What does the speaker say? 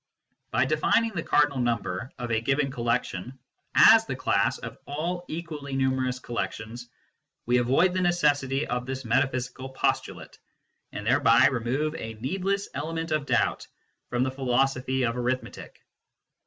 By defining the cardinal number of a given collection as the class of all equally numerous collections, we avoid the necessity of this metaphysical postulate, and thereby remove a needless element of doubt from the philosophy of arith metic.